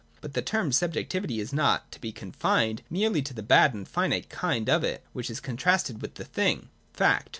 But the term subjectivity is not to be confined merely to the bad and finite kind of it which is contrasted with the thing (fact).